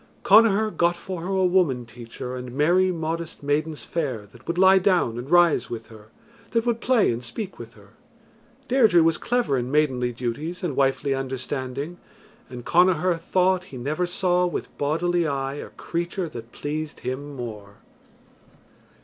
Connachar got for her a woman teacher and merry modest maidens fair that would lie down and rise with her, that would play and speak with her. Deirdre was clever in maidenly duties and wifely understanding, and Connachar thought he never saw with bodily eye a creature that pleased him more.